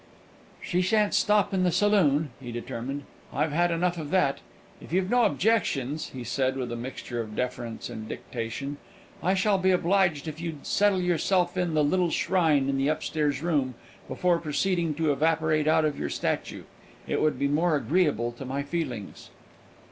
"She shan't stop in the saloon," he determined; "I've had enough of that! If you've no objections," he said, with a mixture of deference and dictation, "I shall be obliged if you'd settle yourself in the little shrine in the upstairs room before proceeding to evaporate out of your statue; it would be more agreeable to my feelings."